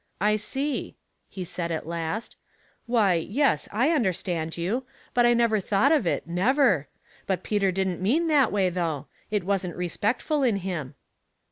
*' I see," he said, at last. '' Why, yes, I understand you, but I never thought of it, never; but Peter didn't mean that way though ; it wasn't respectful in him."